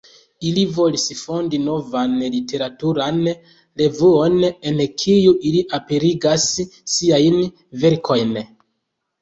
Ili volis fondi novan literaturan revuon, en kiu ili aperigas siajn verkojn.